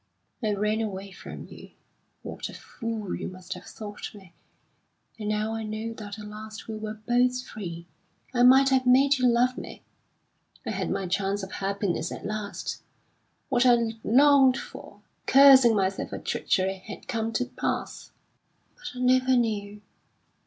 I ran away from you. What a fool you must have thought me! And now I know that at last we were both free, I might have made you love me. I had my chance of happiness at last; what I'd longed for, cursing myself for treachery, had come to pass. But I never knew.